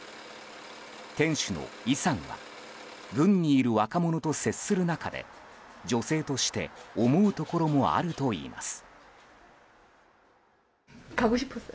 店主のイさんは軍にいる若者と接する中で女性として思うところもあるといいます。